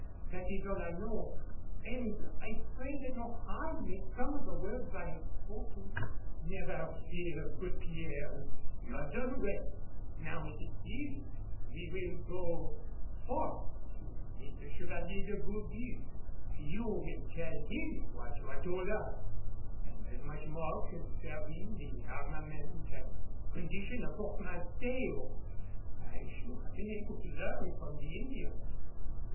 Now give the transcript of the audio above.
That is all I know, and I pray that no harm may come of the words I have spoken." "Never fear, good Pierre. You have done well. Now if it pleases we will go forth to meet the Chevalier de Gourgues. You will tell him what you have told us, and as much more concerning the armament and condition of Fort Mateo as you have been able to learn from the Indians.